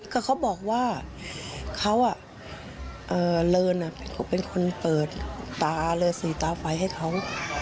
ก็เขาบอกว่าเขาเลินเขาเป็นคนเปิดตาเลยสีตาไฟให้เขา